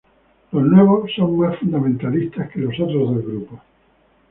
Los "nuevos" son más fundamentalistas que los otros dos grupos.